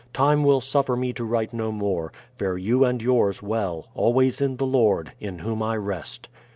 Time will suffer me to write no more; fare you and yours well, always in the Lord, in Whom I rest.